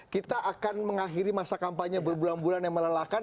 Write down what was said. kita akan mengakhiri masa kampanye berbulan bulan yang melelahkan